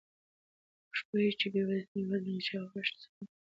موږ پوهیږو چې بې وزلي هېوادونه له چاغښت سره مخ دي.